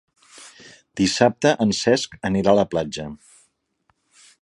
Dissabte en Cesc anirà a la platja.